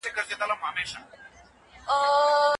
انسان بايد په خپل عقل تکيه وکړي.